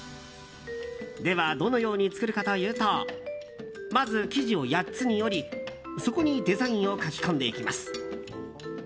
では、どのように作るかというとまず、生地を８つに折りそこにデザインを描き込んでいきます。